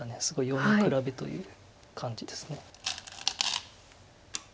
すごい読み比べという感じです。